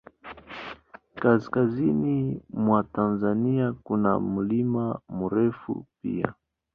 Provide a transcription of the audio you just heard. Kaskazini mwa Tanzania, kuna Mlima Meru pia.